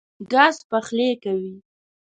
ګاز پخلی کوي.